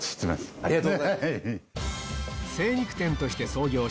ありがとうございます。